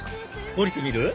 降りてみる？